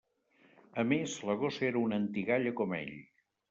A més, la gossa era una antigalla com ell.